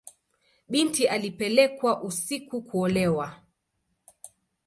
Binti alipelekwa usiku kuolewa.